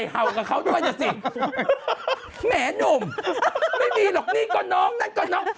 แหม่นุ่มไม่มีหรอกนี่ก็น้องนั่นก็น้อง